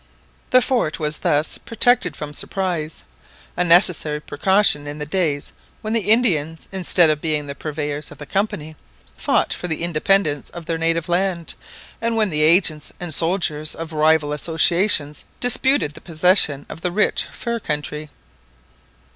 The fort was thus protected from surprise, a necessary precaution in the days when the Indians, instead of being the purveyors of the Company, fought for the independence of their native land, and when the agents and soldiers of rival associations disputed the possession of the rich fur country.